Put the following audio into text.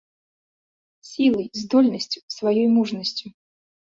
Сілай, здольнасцю, сваёй мужнасцю.